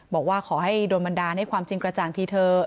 บอกว่าขอให้โดนบันดาลให้ความจริงกระจ่างทีเถอะ